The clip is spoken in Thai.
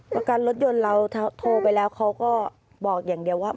ประกันรถยนต์เราโทรไปแล้วเขาก็บอกอย่างเดียวว่า